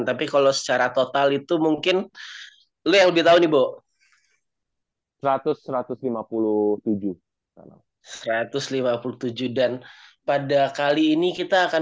sembilan tapi kalau secara total itu mungkin lebih tahu nih bok seratus satu ratus lima puluh tujuh satu ratus lima puluh tujuh dan pada kali ini kita akan